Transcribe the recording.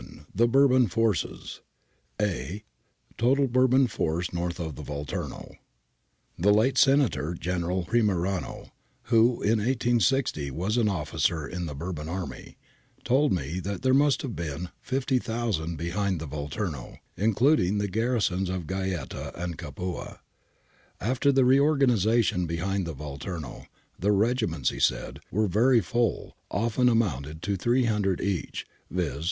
The Bourbon Forces (a) Total Bourbon Force North of the Volturno The late Senator General Primerano, who in i860 was an ofificer in the Bourbon army, told me that there must have been 50,000 behind the Volturno, including the garrisons of Gaeta and Capua. After the reorganisation behind the Vol turno, the regiments, he said, were very full, often amount ing to 3000 each, viz.